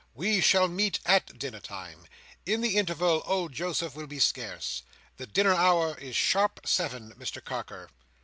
We shall meet at dinner time. In the interval, old Joseph will be scarce. The dinner hour is a sharp seven, Mr Carker."